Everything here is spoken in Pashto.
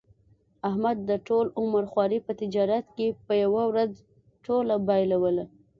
احمد د ټول عمر خواري په تجارت کې په یوه ورځ ټوله بایلوله.